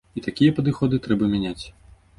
І такія падыходы трэба мяняць.